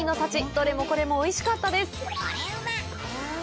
どれもこれもおいしかったです